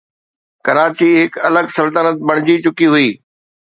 ڪراچي هڪ الڳ سلطنت بڻجي چڪي هئي.